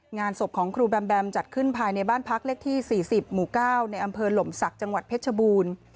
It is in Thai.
งานศพของครูแบมแบมจัดขึ้นภายในบ้านพักเลขที่๔๐หมู่๙ในอำเภอหล่มศักดิ์จังหวัดเพชรบูรณ์